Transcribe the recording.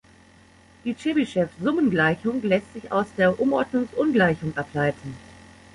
Die Tschebyschew-Summenungleichung lässt sich aus der Umordnungs-Ungleichung ableiten.